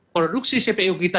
produksi cpu kita